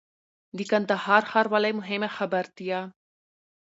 د کندهار ښاروالۍ مهمه خبرتيا